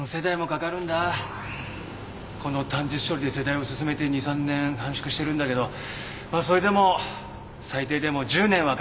この短日処理で世代を進めて２３年短縮してるんだけどまあそれでも最低でも１０年はかかるな。